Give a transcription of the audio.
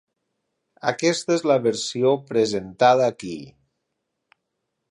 Aquesta és la versió presentada aquí.